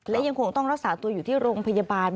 และยังคงต้องรักษาตัวอยู่ที่โรงพยาบาล